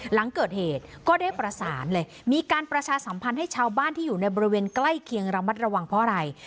หลังเกิดเหตุก็ได้ประสานเลยมีการประชาสัมพันธ์ให้ชาวบ้านที่อยู่ในบริเวณใกล้เคียงระมัดระวังเพราะอะไร